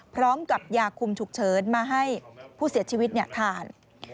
พร้อมกับยาคุมฉุกเฉินมาให้ผู้เสียชีวิตทาน